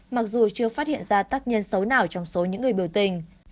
mặc dù chưa phát hiện ra tác nhân xấu nào trong số những người biểu tình